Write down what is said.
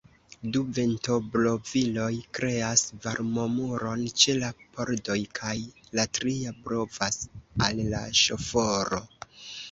Du ventobloviloj kreas varmomuron ĉe la pordoj kaj la tria blovas al la ŝoforo.